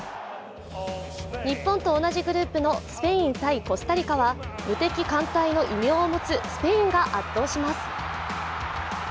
日本と同じグループのスペイン×コスタリカは無敵艦隊の異名を持つスペインが圧倒します。